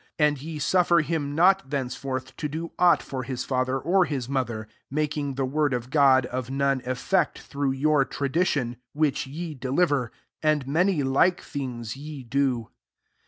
12 And ye suffer him not thence forUi to do aught for his fa ther or his mother ; 13 making the word of €rod of none effect, through your tradition, which ye deliver: and many like tlongs ye do.''